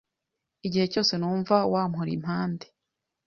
igihe cyose numva wampora impande